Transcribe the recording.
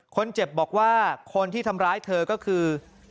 คนเจ็บบอกว่าคนที่ทำร้ายเธอก็คือ